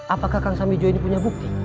apakah kang samijo ini punya bukti